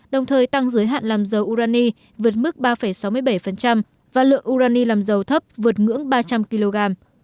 đồng thời tăng giới hạn làm dầu urani vượt mức ba sáu mươi bảy và lượng urani làm dầu thấp vượt ngưỡng ba trăm linh kg